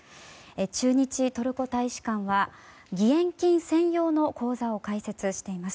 駐日トルコ大使館は義援金専用の口座を開設しています。